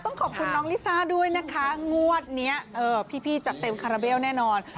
ต้องขอบคุณน้องลิซ่าด้วยนะคะงวดนี้พี่จัดเต็มคาราเบลแน่นอน